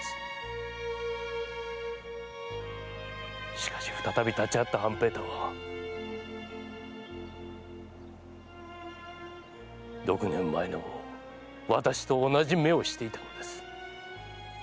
しかし再び立ち合った半平太は六年前の私と同じ目をしていたのです！